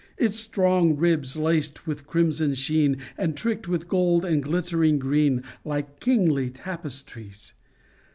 Its strong ribs laced with crimson sheen, And tricked with gold and glittering green, Like kingly tapestries